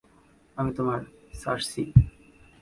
আমি তোমার, সার্সি।